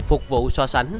phục vụ so sánh